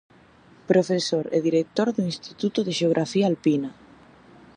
Profesor e director do Instituto de Xeografía Alpina.